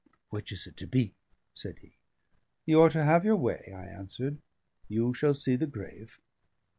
"Which is it to be?" said he. "You are to have your way," I answered. "You shall see the grave."